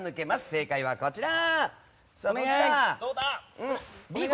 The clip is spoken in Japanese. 正解はこちら！